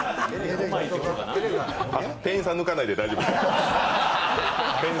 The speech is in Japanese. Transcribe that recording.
店員さん抜かないで大丈夫です。